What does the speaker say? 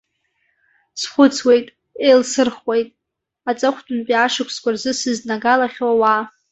Схәыцуеит, еилсырхуеит аҵыхәтәантәи ашықәсқәа рзы сызднагалахьоу ауаа.